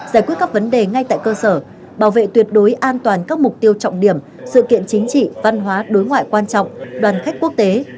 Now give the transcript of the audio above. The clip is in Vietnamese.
giải quyết các vấn đề ngay tại cơ sở bảo vệ tuyệt đối an toàn các mục tiêu trọng điểm sự kiện chính trị văn hóa đối ngoại quan trọng đoàn khách quốc tế